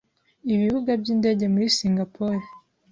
Ibibuga by'indege muri Singapore,